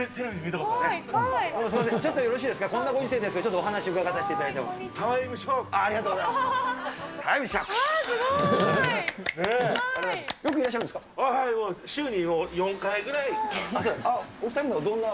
こんなご時世ですが、このお店でちょっとお話伺わせていただいてこんにちは。